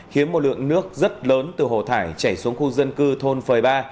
khiến một lượng nước rất lớn từ hồ thải chảy xuống khu dân cư thôn phời ba